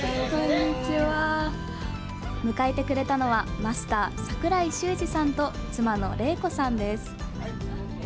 迎えてくれたのはマスター、櫻井周二さんと妻の玲子さんです。